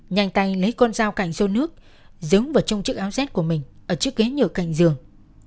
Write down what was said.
nhanh tay lấy con dao cạnh xô nước dứng vào trong chiếc áo set của mình ở chiếc ghế nhựa cạnh giường